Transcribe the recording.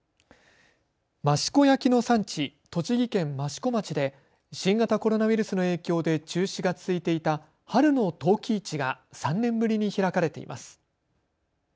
益子焼の産地、栃木県益子町で新型コロナウイルスの影響で中止が続いていた春の陶器市が３年ぶりに開かれています。